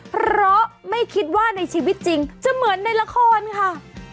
เพราะไม่คิดว่าในชีวิตจริงจะเหมือนในละครค่ะ